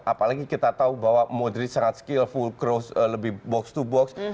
apalagi kita tahu bahwa modrid sangat skillful cross lebih box to box